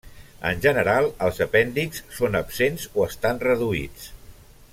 En general, els apèndixs són absents o estan reduïts.